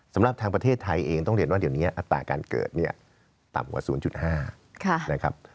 สำหรับทางประเทศไทยเองต้องเรียนว่าเดี๋ยวนี้อัตราการเกิดเนี่ยต่ำกว่า๐๕นะครับ